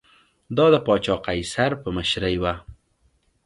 دا د پاچا قیصر په مشرۍ و